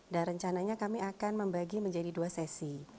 dan rencananya kami akan membagi menjadi dua sesi